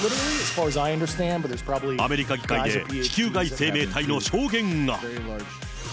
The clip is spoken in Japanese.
アメリカ議会で、地球外生命体の証言が。